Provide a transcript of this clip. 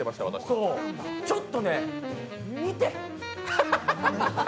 ちょっとね、見て！